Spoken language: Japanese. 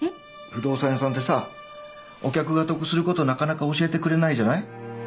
不動産屋さんってさお客が得することなかなか教えてくれないじゃない。